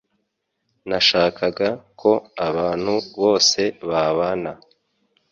Nashakaga ko abantu bose babana